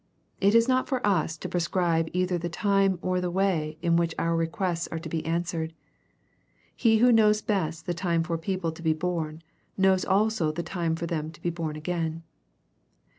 It is not for us to prescribe either the time or the way in which our requests are to be answered. He who knows best the time for people to be bom, knows also the time for them to be born again.